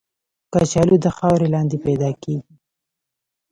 کچالو د خاورې لاندې پیدا کېږي